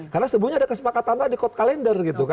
karena sebelumnya ada kesepakatan di code calendar